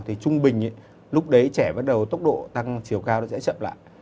thì trung bình lúc đấy trẻ bắt đầu tốc độ tăng chiều cao nó sẽ chậm lại